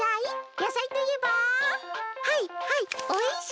やさいといえばはいはいおいしい！